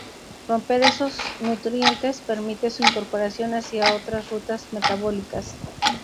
Romper esos nutrientes permite su incorporación hacia otras rutas metabólicas.